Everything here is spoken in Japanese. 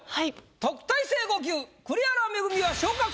特待生５級栗原恵は。